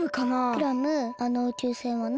クラムあの宇宙船はなんなの？